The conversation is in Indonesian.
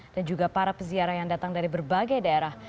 dan juga para peziara yang datang dari berbagai daerah